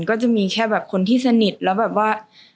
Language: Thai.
ก็จะมีแค่แบบคนที่สนิทแล้วแบบว่า